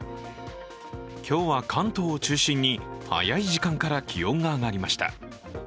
今日は関東を中心に早い時間から気温が上がりました。